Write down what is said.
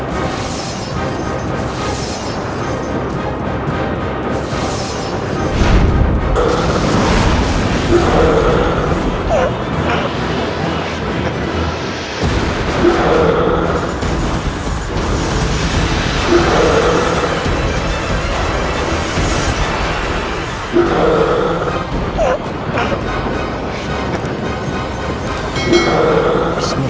kau harus berhenti